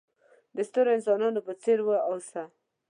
د سترو انسانانو په څېر وه اوسه!